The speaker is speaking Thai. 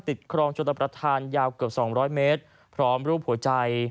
ครองชนประธานยาวเกือบ๒๐๐เมตรพร้อมรูปหัวใจ